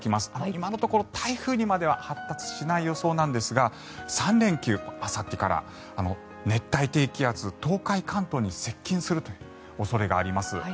今のところ台風にまでは発達しない予想なんですが３連休、あさってから熱帯低気圧が東海・関東に接近するという恐れがあります。